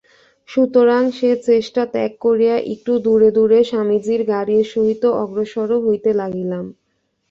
সুতরাং সে চেষ্টা ত্যাগ করিয়া একটু দূরে দূরে স্বামীজীর গাড়ীর সহিত অগ্রসর হইতে লাগিলাম।